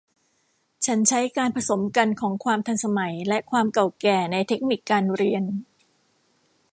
ฉันใช้การผสมกันของความทันสมัยและความเก่าแก่ในเทคนิคการเรียน